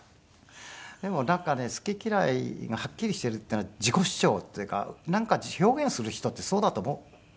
でもなんかね好き嫌いがはっきりしているっていうのは自己主張っていうかなんか表現する人ってそうだと思う。